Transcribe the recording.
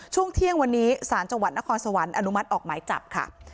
ช่วงเที่ยงวันนี้ศาลจังหวัดนครสวรรค์อนุมัติออกหมายจับค่ะ